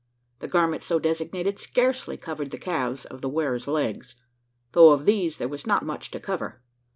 The garment so designated scarcely covered the calves of the wearer's legs though of these there was not much to cover.